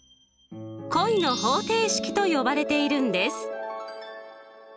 恋の方程式と呼ばれているんです。